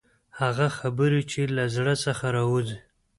هغه خبرې چې له زړه څخه راوځي.